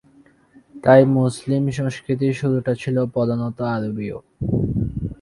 তাই মুসলিম সংস্কৃতির শুরুটা ছিল প্রধানত আরবীয়।